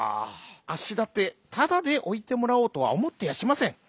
「あっしだってただでおいてもらおうとはおもってやしません。